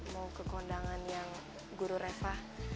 mau ke kondangan yang guru refah